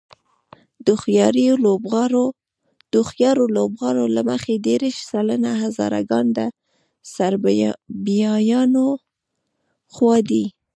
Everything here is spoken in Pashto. د هوښیارو لوبغاړو له مخې دېرش سلنه هزاره ګان د سرابيانو خوا دي.